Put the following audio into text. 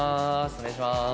お願いしまーす。